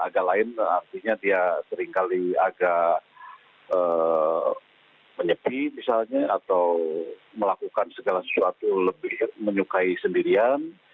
agak lain artinya dia seringkali agak menyepi misalnya atau melakukan segala sesuatu lebih menyukai sendirian